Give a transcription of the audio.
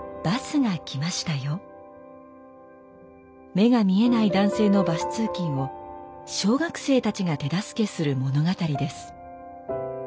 目が見えない男性のバス通勤を小学生たちが手助けする物語です。